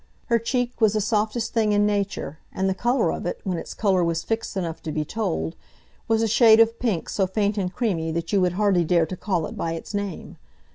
Her cheek was the softest thing in nature, and the colour of it, when its colour was fixed enough to be told, was a shade of pink so faint and creamy that you would hardly dare to call it by its name.